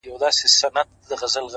• د ایپي د مورچلونو وخت به بیا سي,